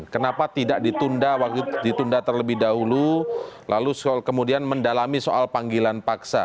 kenapa tidak ditunda terlebih dahulu lalu kemudian mendalami soal panggilan paksa